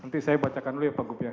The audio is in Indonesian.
nanti saya bacakan dulu ya pak gubernur